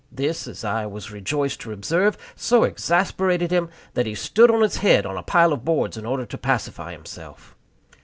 This, as I was rejoiced to observe, so exasperated him that he stood on his head on a pile of boards, in order to pacify himself.